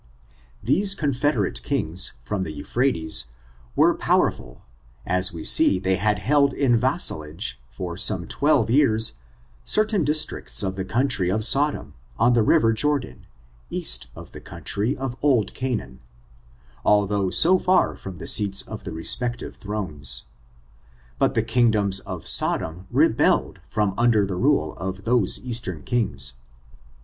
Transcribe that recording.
These confederate kings, from the Euphrates, were powerful, as we see they had held in vassalage, for some twelve years, certain districts of the country of Sodom, on the river Jordan, east of the country of old Canaan, although so far from the seats of the re spective thrones. But the kingdoms of Sodom re belled from under the rule of those eastern kings.